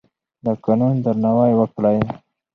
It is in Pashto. د قانون درناوی وکړئ.